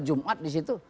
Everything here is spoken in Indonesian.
jumat di situ